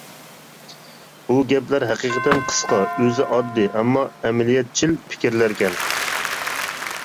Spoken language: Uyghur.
بۇ گەپلەر ھەقىقەتەن قىسقا، ئۆزى ئاددىي، ئەمما ئەمەلىيەتچىل پىكىرلەركەن.